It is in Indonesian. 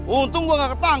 untung gue gak tahun penerang